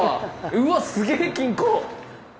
うわっすげえ金庫！